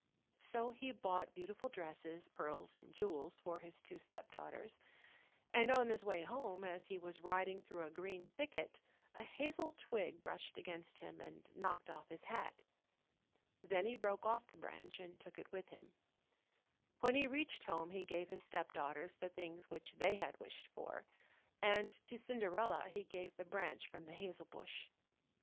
So he bought beautiful dresses, pearls and jewels for his two step daughters, and on his way home, as he was riding through a green thicket, a hazel twig brushed against him and knocked off his hat. Then he broke off the branch and took it with him. When he reached home he gave his step daughters the things which they had wished for, and to Cinderella he gave the branch from the hazel bush.